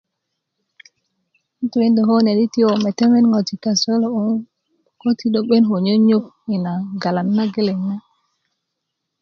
n' tuokindo ko kune di tiko metemet ŋojic kase kulo 'boŋ 'n tuokindo di' 'ben ko nyonyok yina galat nageleŋ na